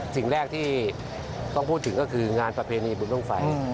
สิ่งแรกที่ต้องพูดถึงก็คืองานประเพณีบุญบ้างไฟ